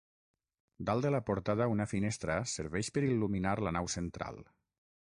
Dalt de la portada una finestra serveix per il·luminar la nau central.